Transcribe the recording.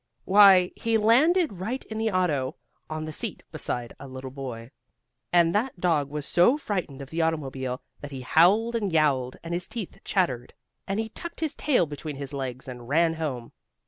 Why, he landed right in the auto, on the seat beside a little boy. And that dog was so frightened of the automobile that he howled and yowled, and his teeth chattered, and he tucked his tail between his legs, and ran home.